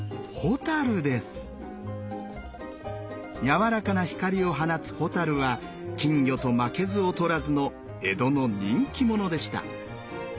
柔らかな光を放つ蛍は金魚と負けず劣らずの江戸の人気者でした。